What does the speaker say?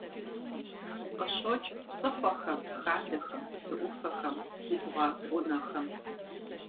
Къыщокӏ псыхъуэхэм, хадэхэм, псыӏуфэхэм, губгъуэ гъунэхэм.